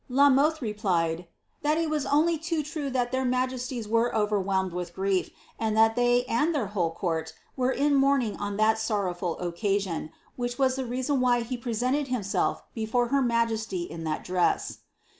'' La Mothe replied, ^ that it was only too true that their majesties were overwhelmed with grief, and that they and their whole court were in mourning on that sorrowful occasion, which was the reason why he presented himself before her majesty in that dress."